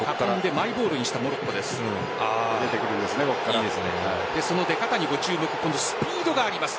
マイボールにしたモロッコです。